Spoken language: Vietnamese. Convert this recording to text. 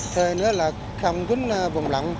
thay nữa là không vấn vùng lặng